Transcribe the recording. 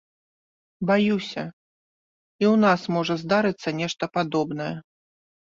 Баюся, і ў нас можа здарыцца нешта падобнае.